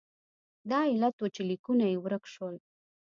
دا علت و چې لیکونه یې ورک شول.